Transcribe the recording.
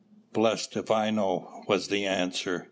"Blessed if I know," was the answer.